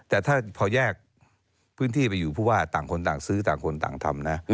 แต่ถ้าพอแยกพื้นที่มาอยู่ต่างคนต่างซื้อต่างคนดังทำนะ